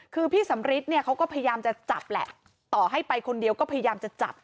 คือพี่สำริทเนี่ยเขาก็พยายามจะจับแหละต่อให้ไปคนเดียวก็พยายามจะจับ